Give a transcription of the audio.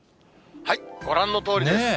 ご覧のとおりです。